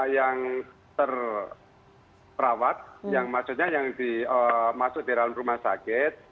yang terawat yang maksudnya yang masuk di dalam rumah sakit